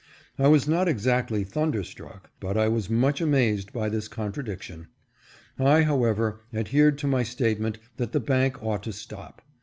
I was not exactly thunderstruck, but I was much amazed by this contradiction. I, however, adhered to my statement that the bank ought to stop.